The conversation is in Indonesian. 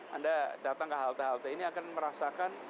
anda datang ke halte halte ini akan merasakan